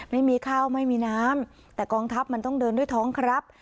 ไม่มีข้าวไม่มีน้ำแต่กองทัพมันต้องเดินด้วยท้องครับ